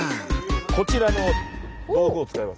こちらの道具を使います。